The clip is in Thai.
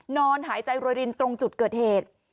นอนหายใจรวยรินตรงจุดเกิดเหตุ